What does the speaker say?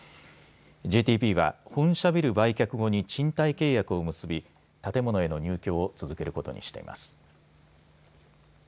ＪＴＢは本社ビル売却後に賃貸契約を結び建物への入居を続けることにしています。